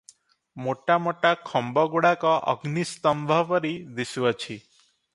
ମୋଟା ମୋଟା ଖମ୍ବଗୁଡ଼ାକ ଅଗ୍ନିସ୍ତମ୍ବ ପରି ଦିଶୁଅଛି ।